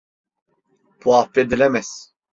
Bu affedilemez.